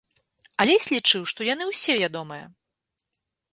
Алесь лічыў, што ўсе яны ядомыя.